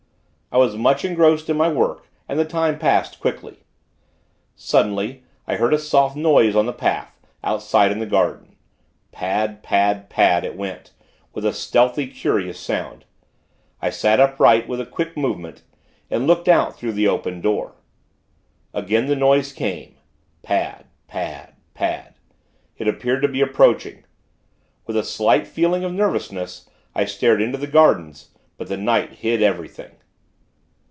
I was much engrossed in my work, and the time passed, quickly. Suddenly, I heard a soft noise on the path, outside in the garden pad, pad, pad, it went, with a stealthy, curious sound. I sat upright, with a quick movement, and looked out through the opened door. Again the noise came pad, pad, pad. It appeared to be approaching. With a slight feeling of nervousness, I stared into the gardens; but the night hid everything.